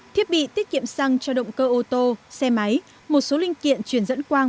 thiết bị tiết kiệm xăng cho động cơ ô tô xe máy một số linh kiện truyền dẫn quang